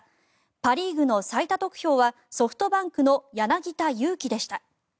パ・リーグの最多得票はソフトバンクの柳田悠岐でした。